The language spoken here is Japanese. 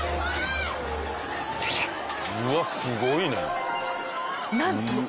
うわっすごいね。